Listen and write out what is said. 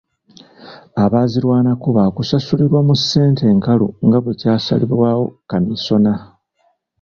Abaazirwanako baakusasulirwa mu ssente nkalu nga bwe kyasalibwawo kamiisona.